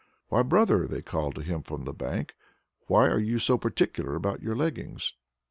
"Why, brother!" they call to him from the bank, "why are you so particular about your leggings?